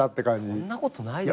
そんなことないですよ。